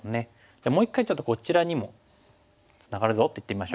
じゃあもう一回ちょっとこちらにもツナがるぞっていってみましょう。